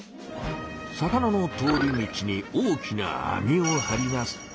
魚の通り道に大きな網をはります。